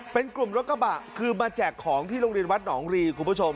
เป็นกลุ่มรถกระบะคือมาแจกของที่โรงเรียนวัดหนองรีคุณผู้ชม